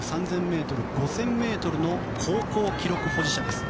１５００ｍ、３０００ｍ５０００ｍの高校記録保持者です。